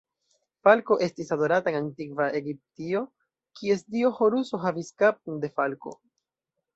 Falko estis adorata en antikva Egiptio, kies dio Horuso havis kapon de falko.